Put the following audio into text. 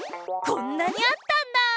こんなにあったんだ！